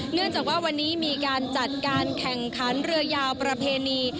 เนื่องจากว่าวันนี้มีการจัดการแข่งขันเรือยาวประเพณี